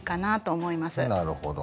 なるほど。